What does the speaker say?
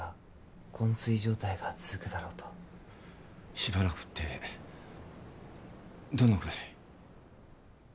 しばらくってどのぐらい？